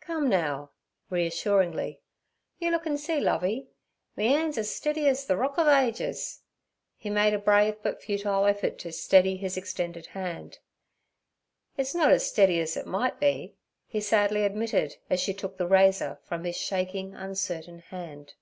'Come, now' reassuringly, 'you look an' see, Lovey: me 'an's as stiddy as th' Rock o' Ages.' He made a brave but futile effort to steady his extended hand. 'It's not as stiddy 's it might be' he sadly admitted, as she took the razor from his shaking, uncertain hand.